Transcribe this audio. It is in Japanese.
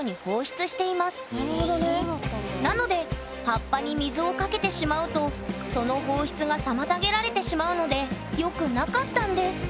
なので葉っぱに水をかけてしまうとその放出が妨げられてしまうのでよくなかったんです